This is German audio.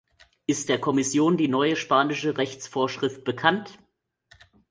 Ist der Kommission die neue spanische Rechtsvorschrift bekannt?